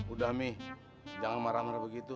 udah nih jangan marah marah begitu